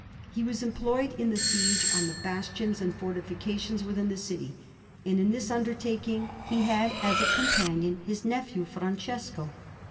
He was employed in the siege on the bastions and fortifications within the city, and in this undertaking he had as a companion his nephew Francesco.